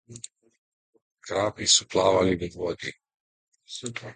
Krapi so plavali v vodi.